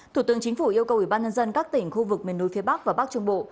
thủ tướng chính phủ yêu cầu ủy ban nhân dân các tỉnh khu vực miền núi phía bắc và bắc trung bộ